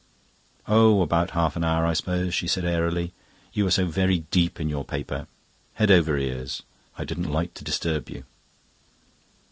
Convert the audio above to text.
"Oh, about half an hour, I suppose," she said airily. "You were so very deep in your paper head over ears I didn't like to disturb you."